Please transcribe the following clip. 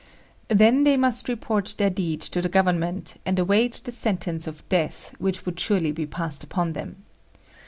Then they must report their deed to the Government, and await the sentence of death which would surely be passed upon them.